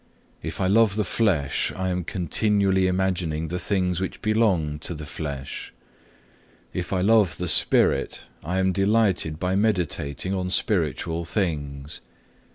If I love the flesh, I am continually imagining the things which belong to the flesh; if I love the spirit, I am delighted by meditating on spiritual things.